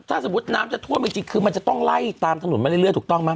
ถ้าสมมุติน้ำจะท่วมจริงคือมันจะต้องไล่ตามถนนมาเรื่อยถูกต้องไหม